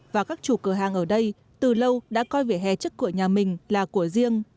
và các chủ cửa hàng ở đây từ lâu đã coi vỉa hè trước cửa nhà mình là của riêng